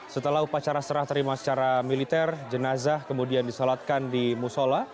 setelah upacara serah terima secara militer jenazah kemudian disolatkan di musola